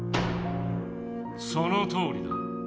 そのとおりだ。